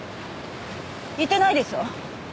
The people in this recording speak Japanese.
言ってないでしょ！？